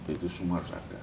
itu semua harus ada